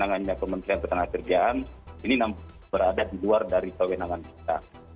ada di luar dari kewenangan kita